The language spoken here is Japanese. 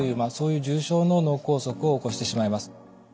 あそういう重症の脳梗塞を起こしてしまいます。